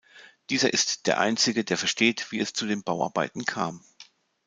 Dieser ist der einzige, der versteht, wie es zu den Bauarbeiten kam.